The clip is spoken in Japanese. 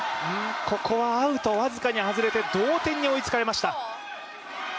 ここはアウト僅かに外れて同点に追いつかれました。